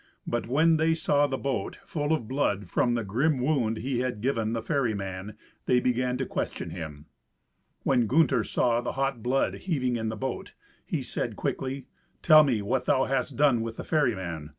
But when they saw the boat full of blood from the grim wound he had given the ferryman, they began to question him. When Gunther saw the hot blood heaving in the boat, he said quickly, "Tell me what thou hast done with the ferryman.